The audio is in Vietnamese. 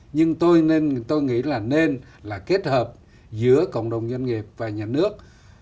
nhưng tôi nghĩ là nên là kết hợp giữa cộng đồng doanh nghiệp và nhà nước